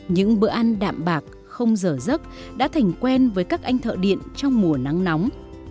những bữa ăn đạm bạc không giờ giấc đã thành quen với các anh thợ điện trong mùa nắng nóng